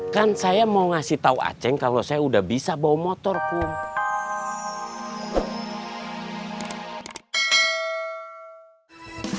kan saya mau ngasih tau aceng kalau saya udah bisa bawa motor kum